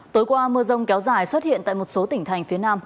tối qua mưa rông kéo dài xuất hiện tại một số tỉnh thành phía nam